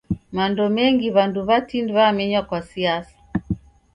Mando menmgi w'andu w'atini wamenywa kwa siasa.